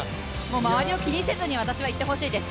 周りを気にせずに私は行ってほしいです。